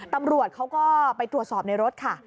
ตำรวจเขาก็ไปตรวจสอบในรถค่ะ